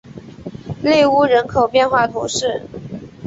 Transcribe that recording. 内乌人口变化图示